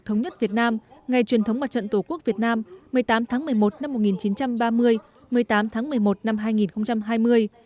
thống nhất việt nam ngày truyền thống mặt trận tổ quốc việt nam một mươi tám tháng một mươi một năm một nghìn chín trăm ba mươi một mươi tám tháng một mươi một năm hai nghìn hai mươi